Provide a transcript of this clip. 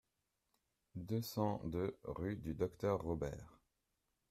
deux cent deux rue du Docteur Robert